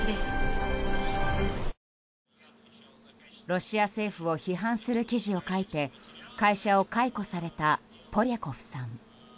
ロシア政府を批判する記事を書いて会社を解雇されたポリャコフさん。